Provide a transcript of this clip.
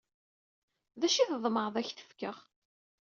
D acu ay tḍemɛed ad ak-t-fkeɣ?